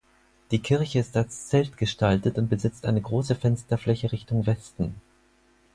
Die Kirche ist als Zelt gestaltet und besitzt eine große Fensterfläche in Richtung Westen.